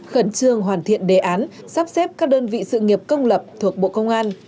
khẩn trương hoàn thiện đề án sắp xếp các đơn vị sự nghiệp công lập thuộc bộ công an